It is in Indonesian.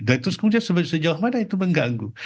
dan terus kemudian sejauh mana itu mengganggu